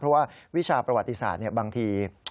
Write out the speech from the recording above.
เพราะว่าวิชาประวัติศาสตร์บางที